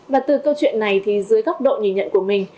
và từ câu chuyện này thì dưới góc độ nhìn nhận của mình